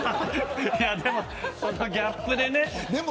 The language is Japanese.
でも、そのギャップでね。